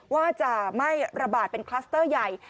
ว่าจะไม่ระบาดเป็นคลัสเตอร์ใหญ่